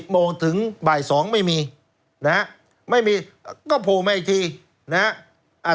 โมงถึงบ่าย๒ไม่มีนะฮะไม่มีก็โผล่มาอีกทีนะฮะ